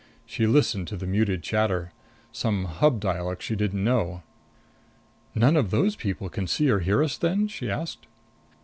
She listened to the muted chatter. Some Hub dialect she didn't know. "None of those people can see or hear us then?" she asked.